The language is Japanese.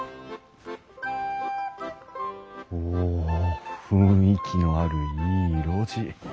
お雰囲気のあるいい路地。